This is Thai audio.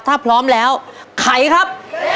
ถ้าพร้อมแล้วไขครับ